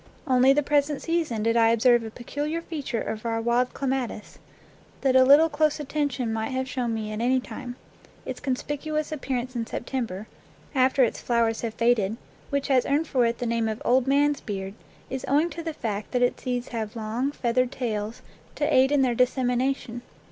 Only the present season did I observe a peculiar feature of our wild clematis that a little close atten tion might have shown me at any time : its conspic uous appearance in September, after its flowers 19 NATURE LORE have faded, which has earned for it the name of "old man's beard," is owing to the fact that its seeds have long, feathered tails to aid in their dis semination.